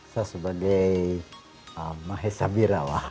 saya sebagai mahesabirawa